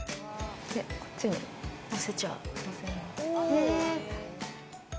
こっちにのせちゃう。